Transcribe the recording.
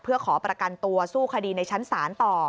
เพื่อขอประกันตัวสู้คดีในชั้นศาลต่อ